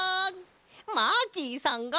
マーキーさんが。